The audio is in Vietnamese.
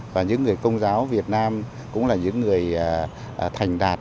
và những người công giáo việt nam cũng là những người thành đạt